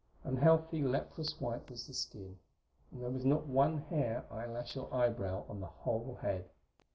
Unhealthy, leprous white was the skin, and there was not one hair, eyelash or eyebrow on the whole head.